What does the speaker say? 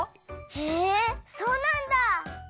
へえそうなんだ。